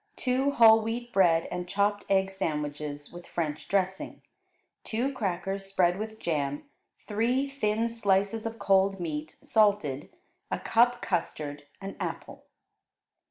Two whole wheat bread and chopped egg sandwiches with French dressing; two crackers spread with jam; three thin slices of cold meat, salted; a cup custard; an apple.